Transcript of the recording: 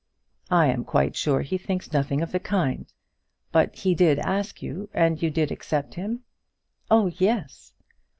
"I am quite sure he thinks nothing of the kind. But he did ask you, and you did accept him?" "Oh, yes."